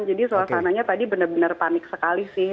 jadi suasananya tadi benar benar panik sekali sih